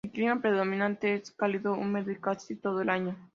El clima predominante es cálido húmedo casi todo el año.